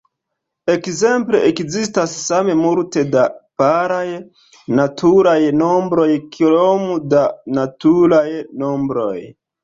Ekzemple, ekzistas same multe da paraj naturaj nombroj kiom da naturaj nombroj.